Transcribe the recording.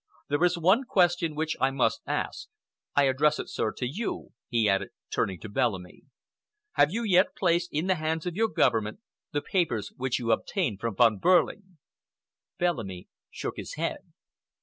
There is one question which I must ask. I address it, sir, to you," he added, turning to Bellamy. "Have you yet placed in the hands of your Government the papers which you obtained from Von Behrling?" Bellamy shook his head.